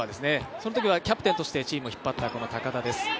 そのときはキャプテンとしてチームを引っ張ったこの高田です。